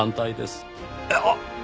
えっあっ！